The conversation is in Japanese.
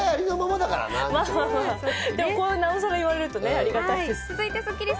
なおさら言われるとありがたいです。